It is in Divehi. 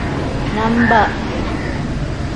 ނަންބަރު